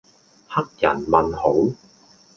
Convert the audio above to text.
黑人問號